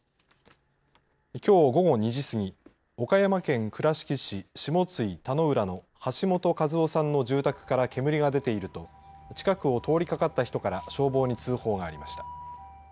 きょう午後２時過ぎ岡山県倉敷市下津井田之浦の橋本一男さんの住宅から煙が出ていると近くを通りかかった人から消防に通報がありました。